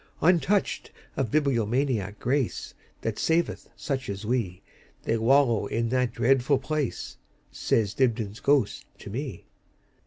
Untouched of bibliomaniac grace, That saveth such as we, They wallow in that dreadful place,"Says Dibdin's ghost to me.